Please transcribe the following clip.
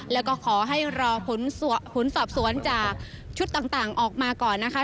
แล้วก็ขอให้รอผลสอบสวนจากชุดต่างออกมาก่อนนะคะ